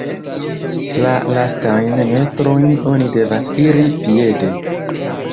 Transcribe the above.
La lastajn metrojn oni devas iri piede.